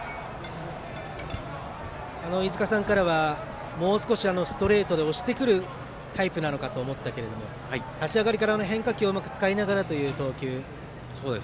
飯塚さんからは、もう少しストレートで押してくるタイプなのかと思ったけれども立ち上がりから、変化球をうまく使いながらという投球。